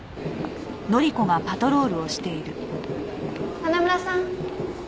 花村さん。